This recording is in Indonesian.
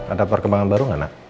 ada perkembangan baru nggak nak